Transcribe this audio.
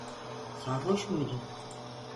Sarhoş muydu?